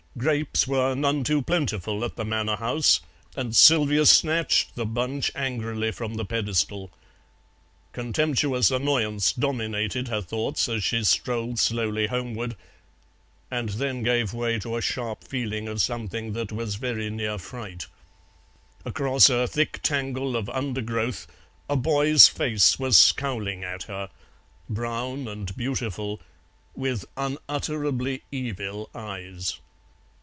Grapes were none too plentiful at the manor house, and Sylvia snatched the bunch angrily from the pedestal. Contemptuous annoyance dominated her thoughts as she strolled slowly homeward, and then gave way to a sharp feeling of something that was very near fright; across a thick tangle of undergrowth a boy's face was scowling at her, brown and beautiful, with unutterably evil eyes.